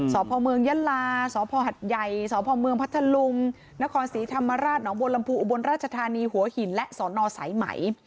สพเมืองยะลาสพหัดใหญ่สพเมืองพัทธลุงนครศรีธรรมราชหนองบัวลำพูอุบลราชธานีหัวหินและสนสายไหม